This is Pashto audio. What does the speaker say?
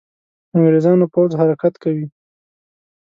انګرېزانو پوځ حرکت کوي.